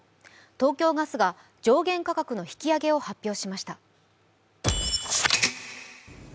東京ガスが上限価格の引き上げを発表しました。